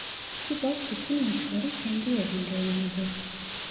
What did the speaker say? Küba bütün maçları kendi evinde oynadı.